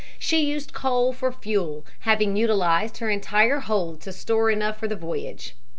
She used coal for fuel, having utilized her entire hold to store enough for the voyage.